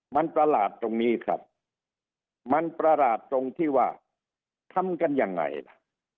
มันประหลาดตรงนี้ครับมันประหลาดตรงที่ว่าทำกันยังไงล่ะ